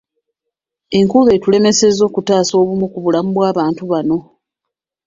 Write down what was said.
Enkuba etulemesezza okutaasa obumu ku bulamu bw'abantu bano.